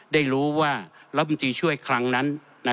ได้รู้ว่ารัฐมนตรีช่วยครั้งนั้น